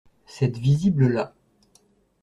Cette visible-là.